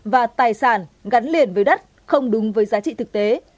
và tài sản gắn liền với đất không đúng với giá trị thực tế